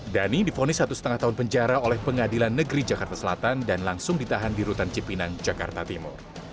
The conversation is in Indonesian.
dhani difonis satu lima tahun penjara oleh pengadilan negeri jakarta selatan dan langsung ditahan di rutan cipinang jakarta timur